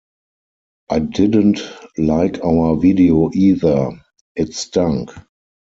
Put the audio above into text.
I didn't like our video either-it stunk!